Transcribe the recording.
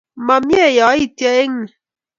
Mamie yaityo eng ni